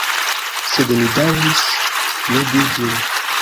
Sed ni daŭris ludi ĝin.